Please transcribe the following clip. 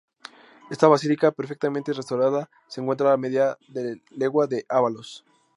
Esta basílica, perfectamente restaurada, se encuentra a media legua de Ábalos.